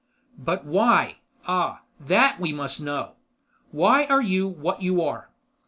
"But why? Ah, that we must know. Why are you what you are?